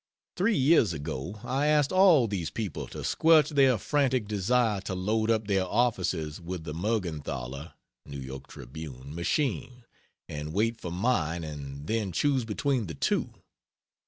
Three years ago I asked all these people to squelch their frantic desire to load up their offices with the Mergenthaler (N. Y. Tribune) machine, and wait for mine and then choose between the two.